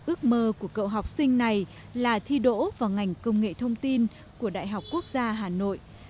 ước mơ của cậu học sinh này là thi đỗ vào ngành công nghệ thông tin của đại học quốc gia hà nội